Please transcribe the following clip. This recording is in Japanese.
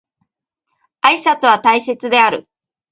挨拶は大切である